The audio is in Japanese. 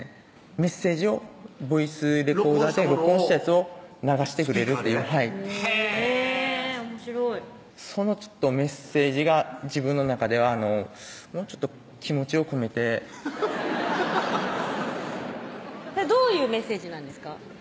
メッセージをボイスレコーダーで録音したやつを流してくれるっていうへぇおもしろいそのメッセージが自分の中ではもうちょっと気持ちを込めてどういうメッセージなんですか？